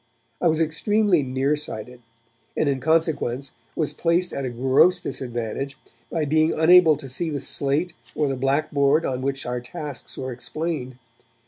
I was extremely nearsighted, and in consequence was placed at a gross disadvantage, by being unable to see the slate or the black board on which our tasks were explained.